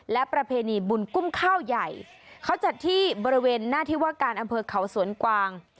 และประเพณีบุญกุ้มข้าวใหญ่เขาจัดที่บริเวณหน้าที่ว่าการอำเภอเขาสวนกวาง